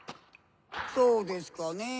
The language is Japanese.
そうですかねぇ？